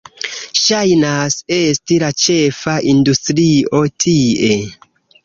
Ŝajnas esti la ĉefa industrio tie.